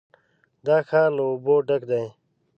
دا ښار له اوبو ډک دی.